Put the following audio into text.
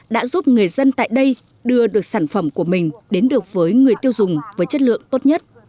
đã giúp người dân tại đây đưa được sản phẩm của mình đến được với người tiêu dùng với chất lượng tốt nhất